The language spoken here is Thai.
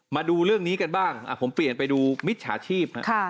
มาดูเรื่องนี้กันบ้างผมเปลี่ยนไปดูมิจฉาชีพ